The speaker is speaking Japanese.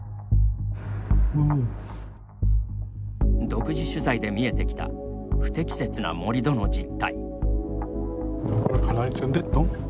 独自取材で見えてきた不適切な盛り土の実態。